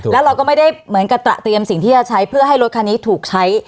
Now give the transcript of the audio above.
แล้วเราก็ไม่ได้เหมือนกับตระเตรียมสิ่งที่จะใช้เพื่อให้รถคันนี้ถูกใช้